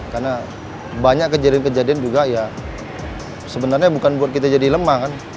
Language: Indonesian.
karena banyak kejadian kejadian juga ya sebenarnya bukan buat kita jadi lemah kan